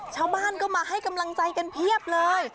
ชาวบ้านก็มาให้กำลังใจกันเพียบเลย